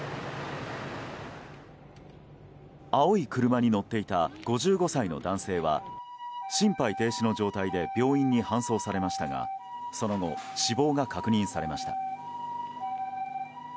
青い車に乗っていた５５歳の男性は心肺停止の状態で病院に搬送されましたがその後、死亡が確認されました。